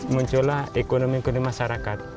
muncullah ekonomi ekonomi masyarakat